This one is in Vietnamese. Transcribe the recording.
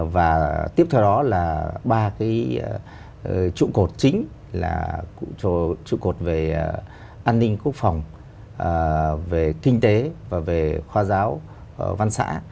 và tiếp theo đó là ba cái trụ cột chính là trụ cột về an ninh quốc phòng về kinh tế và về khoa giáo văn xã